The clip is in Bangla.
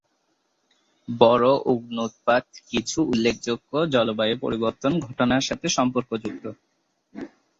বড়ো অগ্ন্যুৎপাত কিছু উল্লেখযোগ্য জলবায়ু পরিবর্তন ঘটনার সাথে সম্পর্কযুক্ত।